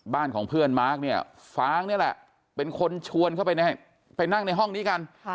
บ้านของเพื่อนมาร์คเนี่ยฟ้างนี่แหละเป็นคนชวนเข้าไปนั่งในห้องนี้กัน